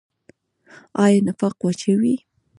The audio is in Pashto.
آیا نفاق واچوي؟